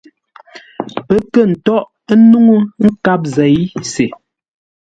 Pə́ kə̂ ntóghʼ nuŋú nkâp zei se.